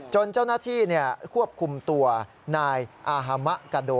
เจ้าหน้าที่ควบคุมตัวนายอาฮามะกาโด